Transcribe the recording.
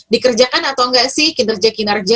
dikerjakan atau enggak sih kinerja kinerja